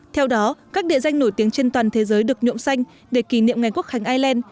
theo đó các địa danh nổi tiếng trên toàn thế giới được nhuộm xanh để kỷ niệm ngày quốc khánh ireland